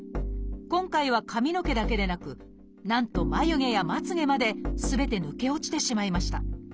今回は髪の毛だけでなくなんと眉毛やまつげまですべて抜け落ちてしまいました。